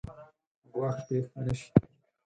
ګواښ پېښ نه شي.